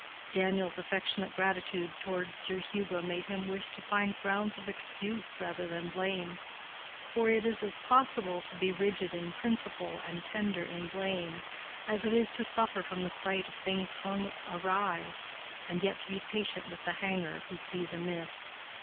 Daniel's affectionate gratitude toward Sir Hugo made him wish to find grounds of excuse rather than blame; for it is as possible to be rigid in principle and tender in blame, as it is to suffer from the sight of things hung awry, and yet to be patient with the hanger who sees amiss.